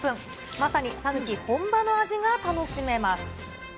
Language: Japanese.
まさに讃岐本場の味が楽しめます。